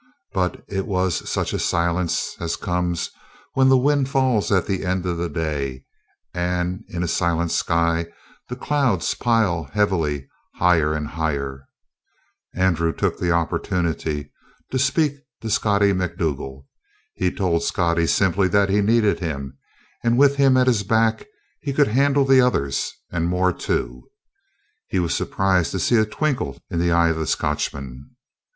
But it was such a silence as comes when the wind falls at the end of a day and in a silent sky the clouds pile heavily, higher and higher. Andrew took the opportunity to speak to Scottie Macdougal. He told Scottie simply that he needed him, and with him at his back he could handle the others, and more, too. He was surprised to see a twinkle in the eye of the Scotchman.